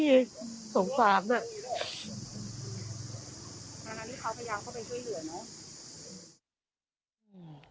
สงสารที่เขาพยายามเข้าไปช่วยเหลือเนอะ